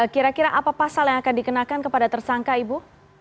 kira kira apa pasal yang akan dikenakan kepada tersangka ibu